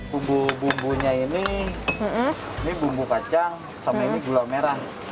bumbu bumbunya ini ini bumbu kacang sama ini gula merah